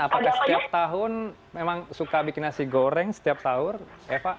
apakah setiap tahun memang suka bikin nasi goreng setiap sahur eva